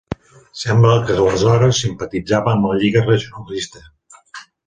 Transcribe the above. Sembla que aleshores simpatitzava amb la Lliga Regionalista.